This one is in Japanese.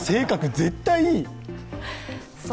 絶対いい！